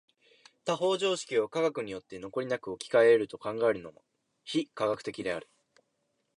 他方常識を科学によって残りなく置き換え得ると考えるのも非科学的である。